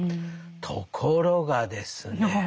ところがですね